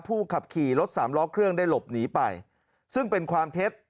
ผู้ขับขี่รถสามล้อเครื่องได้หลบหนีไปซึ่งเป็นความเท็จ